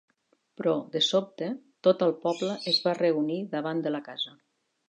Però, de sobte, tot el poble es va reunir davant de la casa.